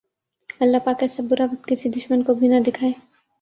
اللہ پاک ایسا برا وقت کسی دشمن کو بھی نہ دکھائے